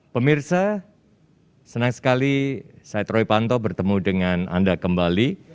pemirsa senang sekali saya troy panto bertemu dengan anda kembali